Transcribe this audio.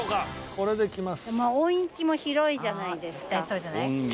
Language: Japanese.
これできます。